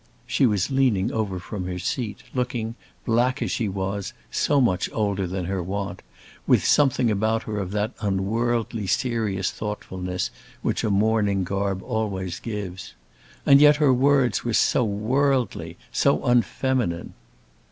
She was leaning over from her seat, looking, black as she was, so much older than her wont, with something about her of that unworldly serious thoughtfulness which a mourning garb always gives. And yet her words were so worldly, so unfeminine!